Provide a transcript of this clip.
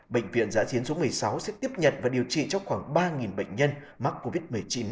bệnh viện giã chiến số một mươi sáu sẽ tiếp nhận và điều trị cho khoảng ba bệnh nhân mắc covid một mươi chín